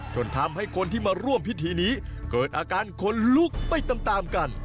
จนทำให้คนที่มาร่วมพิธีนี้เกิดอาการคนลุกไปตามกัน